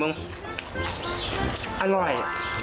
อร่อย